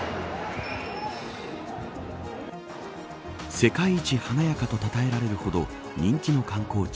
世界一華やかと称えられるほど人気の観光地